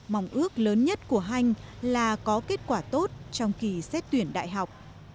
mong ước lớn nhất của hanh là có kết quả tốt trong kỳ xét tuyển đại học